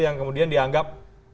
yang kemudian dianggap